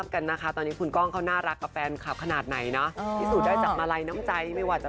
๑๕๒คุณผู้ชมก็ผมไม่คิดขนาดนี้นะของคุณเดี๋ยวด๊วยดละ